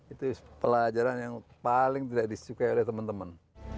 itu pelajaran yang paling tidak disukai oleh teman teman